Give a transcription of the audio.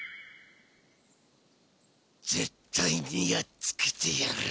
ぜっ対にやっつけてやる！